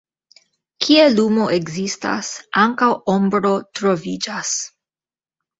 Kie lumo ekzistas, ankaŭ ombro troviĝas.